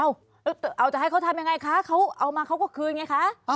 เอาจะให้เขาทำยังไงคะเขาเอามาเขาก็คืนไงคะ